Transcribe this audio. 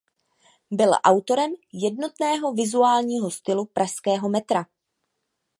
Byl autorem jednotného vizuálního stylu pražského metra.